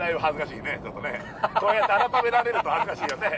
こうやって改められると恥ずかしいよね。